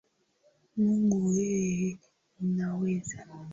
Mungu eee, unaweza